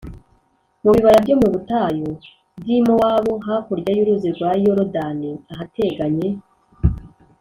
Mu bibaya byo mu butayu bw i mowabu hakurya y uruzi rwa yorodani ahateganye